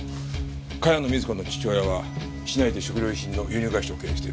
茅野瑞子の父親は市内で食料品の輸入会社を経営している。